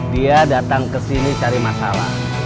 dia datang kesini cari masalah